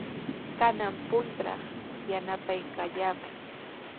Kanan puntraw yanapaykallamay.